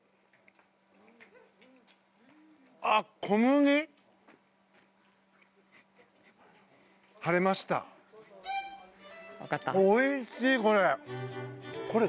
おいしい、これ。